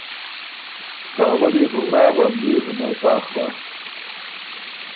که اول يې بو ورا بۀ بيې يې بُو نکاح بۀ